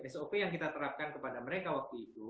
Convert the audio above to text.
sop yang kita terapkan kepada mereka waktu itu